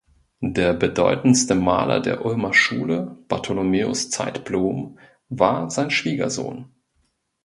Der bedeutendste Maler der Ulmer Schule, Bartholomäus Zeitblom, war sein Schwiegersohn.